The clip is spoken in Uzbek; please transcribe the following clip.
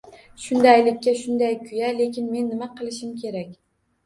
Shundaylikka shunday-ku-ya… Lekin men nima qilishim kerak?